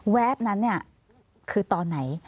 แวบนั้นคือตอนไหน